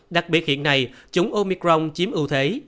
đặc biệt hiện nay chủng omicron chìm ưu thế